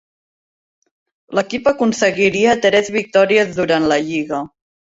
L'equip aconseguiria tres victòries durant la lliga.